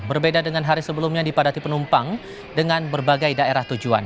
berbeda dengan hari sebelumnya dipadati penumpang dengan berbagai daerah tujuan